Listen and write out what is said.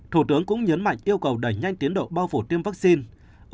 thủ tướng cũng nhấn mạnh yêu cầu đẩy nhanh tiến độ bao phủ tiêm vaccine